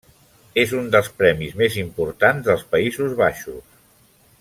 És un dels premis més importants dels Països Baixos.